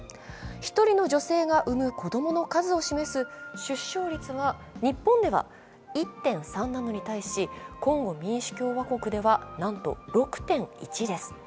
１人の女性が産む子どもの数を示す出生率が日本では１．３なのに対しコンゴ民主共和国ではなんと６．１です。